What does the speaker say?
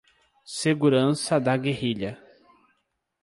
Segurança da Guerrilha